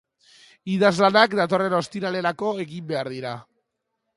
Idazlanak datorren ostiralerako egin behar dira.